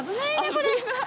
これ。